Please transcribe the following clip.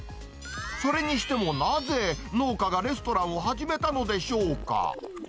それにしてもなぜ、農家がレストランを始めたのでしょうか。